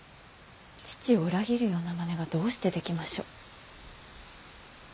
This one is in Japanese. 父を裏切るようなまねがどうしてできましょう。